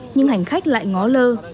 nhưng hành khách lại ngó lùi